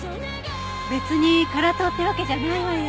別に辛党ってわけじゃないわよ。